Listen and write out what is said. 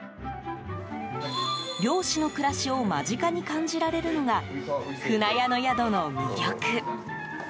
漁師の暮らしを間近に感じられるのが舟屋の宿の魅力。